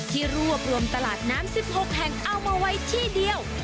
ที่รวบรวมตลาดน้ำ๑๖แห่งเอามาไว้ที่เดียว